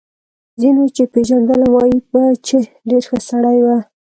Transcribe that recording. ځینو چې پېژندلم وايي به چې ډېر ښه سړی و